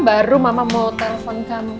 baru mama mau telepon kamu